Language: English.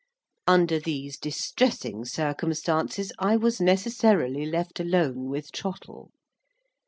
Under these distressing circumstances, I was necessarily left alone with Trottle.